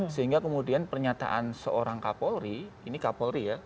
sehingga kemudian pernyataan seorang kapolri ini kapolri ya